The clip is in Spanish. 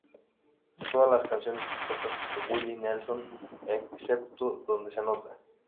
Todas las canciones compuestas por Willie Nelson excepto donde se anota.